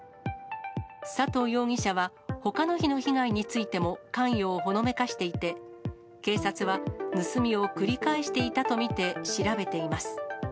佐藤容疑者は、ほかの日の被害についても、関与をほのめかしていて、警察は、盗みを繰り返していたと見て調べています。